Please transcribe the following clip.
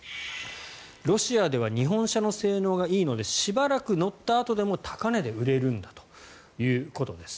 ロシアでは日本車の性能がいいのでしばらく乗ったあとでも高値で売れるんだということです。